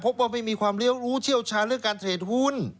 พบว่าไม่มีความรู้เชี่ยวชาญเรื่องการเทรดหุ้น